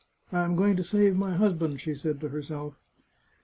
" I am going to save my husband," she said to herself.